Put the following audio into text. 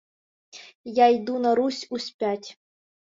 — Я йду на Русь yсп'ять.